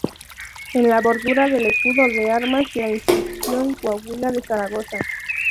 En la bordura del escudo de armas, la inscripción: Coahuila de Zaragoza.